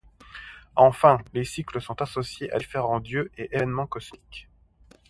Enfin, les cycles sont associés à différents dieux et événements cosmiques.